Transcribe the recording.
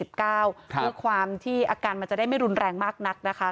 ด้วยความที่อาการมันจะได้ไม่รุนแรงมากนักนะคะ